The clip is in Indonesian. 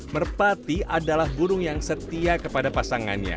merpati adalah burung yang setia kepada pasangannya